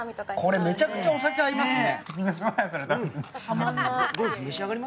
これ、めちゃくちゃお酒合いますね。